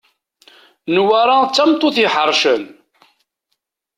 Newwara d tameṭṭut iḥercen.